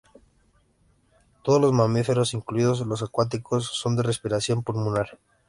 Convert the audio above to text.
Todos los mamíferos, incluidos los acuáticos, son de respiración pulmonar.